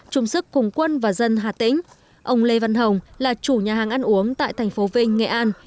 trung sức cùng quân và dân hà tĩnh ông lê văn hồng là chủ nhà hàng ăn uống tại thành phố vinh nghệ an